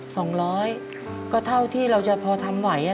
สองร้อยก็เท่าที่เราจะพอทำไหวอ่ะ